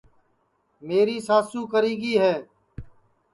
میری ساسو کری گی ہے